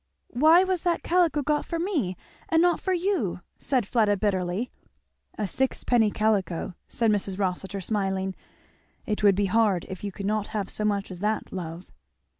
"Why was that calico got for me and not for you?" said Fleda, bitterly. "A sixpenny calico," said Mrs. Rossitur smiling, "it would be hard if you could not have so much as that, love."